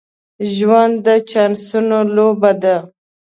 ژوند د چانسونو لوبه ده.